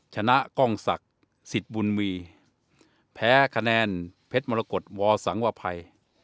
ชนะกล้องศักดิ์สิทธิ์บุญมีแพ้คะแนนเพชรมรกฏวอสังวภัย